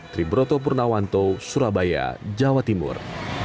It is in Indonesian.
triburoto purnawanto surabaya jawa timur